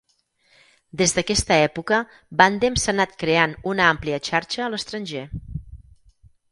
Des d'aquesta època, Bandem s'ha anat creant una àmplia xarxa a l'estranger.